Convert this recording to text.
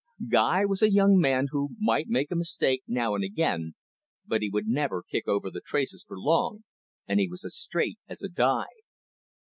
Guy was a young man who might make a mistake now and again, but he would never kick over the traces for long, and he was as straight as a die.